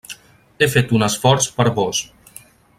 He fet un esforç per vós.